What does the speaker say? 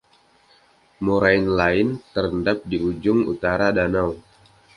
Moraine lain terendap di ujung utara danau.